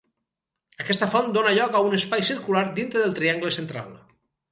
Aquesta font dóna lloc a un espai circular dintre del triangle central.